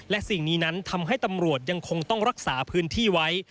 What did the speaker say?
และสิ่งนี้นั้นทำให้ตำรวจยังคงต้องรักษาพื้นที่ไว้